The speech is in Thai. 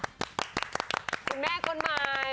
คุณแม่คนใหม่